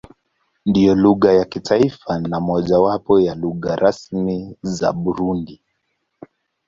Ndiyo lugha ya taifa na mojawapo ya lugha rasmi za Burundi.